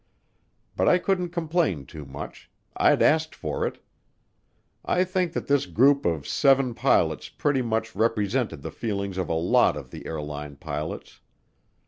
But I couldn't complain too much; I'd asked for it. I think that this group of seven pilots pretty much represented the feelings of a lot of the airline pilots.